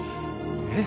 えっ？